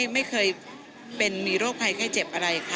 ไม่เคยเป็นมีโรคภัยไข้เจ็บอะไรค่ะ